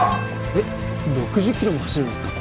えっ６０キロも走るんですか！？